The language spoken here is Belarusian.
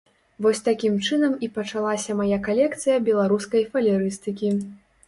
Вось такім чынам і пачалася мая калекцыя беларускай фалерыстыкі.